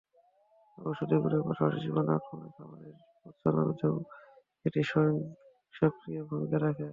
ঔষধি গুণের পাশাপাশি জীবাণুর আক্রমণে খাবারের পচন রোধেও এটি সক্রিয় ভূমিকা রাখে।